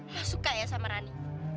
masukkah ya sama rani